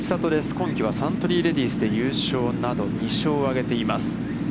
今季はサントリーレディスで優勝など、２勝を挙げています。